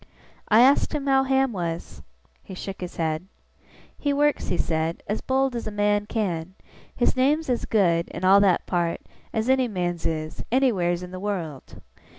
I asked him how Ham was? He shook his head. 'He works,' he said, 'as bold as a man can. His name's as good, in all that part, as any man's is, anywheres in the wureld.